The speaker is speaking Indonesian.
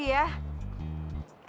saya udah kembali ya